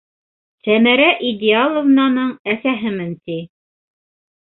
Сәмәрә Идеаловнаның әсәһемен ти.